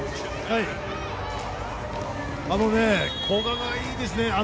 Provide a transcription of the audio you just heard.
古賀がいいですね！